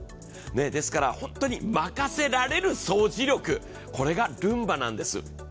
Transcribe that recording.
ですから本当に任せられる掃除力、これがルンバなんです。